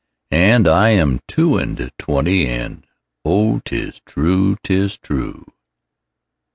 'And I am two and twenty, And oh, 'tis true, 'tis true.